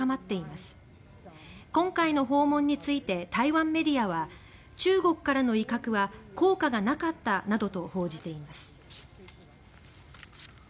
今回の訪問について台湾メディアは「中国からの威嚇は効果がなかった」などと報じています。